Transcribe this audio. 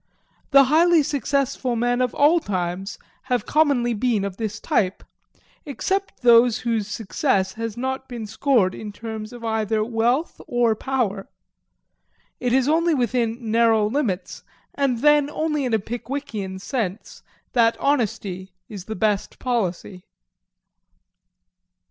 The highly successful men of all times have commonly been of this type; except those whose success has not been scored in terms of either wealth or power. It is only within narrow limits, and then only in a Pickwickian sense, that honesty is the best policy.